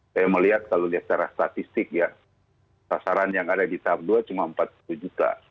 saya melihat kalau lihat secara statistik ya sasaran yang ada di tahap dua cuma empat puluh juta